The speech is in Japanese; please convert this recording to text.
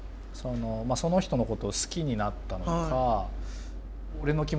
その人のことを好きになったのか「俺の気持ち分かる？